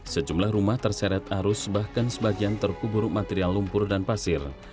sejumlah rumah terseret arus bahkan sebagian terkubur material lumpur dan pasir